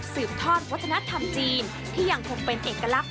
ทอดวัฒนธรรมจีนที่ยังคงเป็นเอกลักษณ